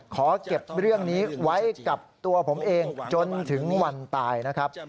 ขอเก็บเรื่องนี้ไว้กับตัวผมเองจนถึงวันตายนะครับ